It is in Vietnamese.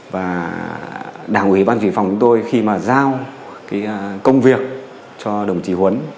và đảng ủy ban dự phòng của tôi khi mà giao công việc cho đồng chí huấn